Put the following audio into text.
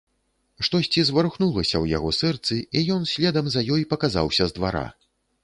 Штосьці зварухнулася ў яго сэрцы, і ён следам за ёй паказаўся з двара.